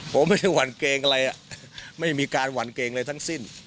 ผมไม่ได้หวั่นเกรงอะไรไม่มีการหวั่นเกรงอะไรทั้งสิ้น